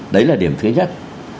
đấy là điểm thứ nhất